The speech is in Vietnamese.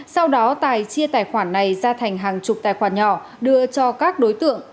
sau đó tài chia tài khoản này ra thành hàng chục tài khoản nhỏ đưa cho các đối tượng